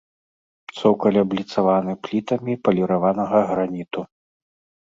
Цокаль абліцаваны плітамі паліраванага граніту.